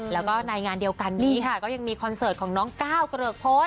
แล้วก็ในงานเดียวกันนี้ค่ะก็ยังมีคอนเสิร์ตของน้องก้าวเกริกพล